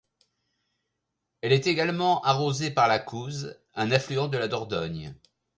Elle est également arrosée par la Couze, un affluent de la Dordogne.